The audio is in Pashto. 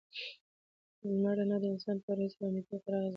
د لمر رڼا د انسان په روحي سلامتیا کې خورا اغېزمنه ده.